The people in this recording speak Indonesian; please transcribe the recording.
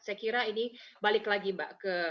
saya kira ini balik lagi mbak